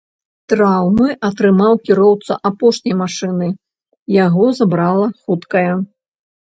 Траўмы атрымаў кіроўца апошняй машыны, яго забрала хуткая.